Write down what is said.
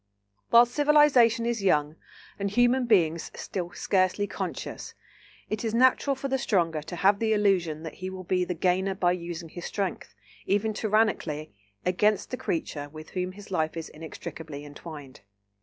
While civilisation is young, and human beings still scarcely conscious, it is natural for the stronger to have the illusion that he will be the gainer by using his strength, even tyrannically, against the creature with whom his life is inextricably entwined.